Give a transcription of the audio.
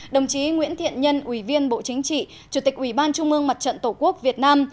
đồng chí nguyễn thiện nhân ủy viên bộ chính trị chủ tịch ủy ban trung mương mặt trận tổ quốc việt nam